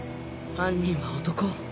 犯人は男